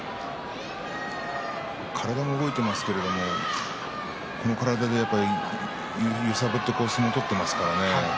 体も動いていますけれどこの体でやっぱり揺さぶって相撲を取っていますからね。